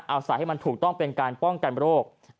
เอาใส่ให้มันถูกต้องเป็นการป้องกันโรค